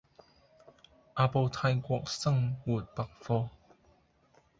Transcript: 阿布泰國生活百貨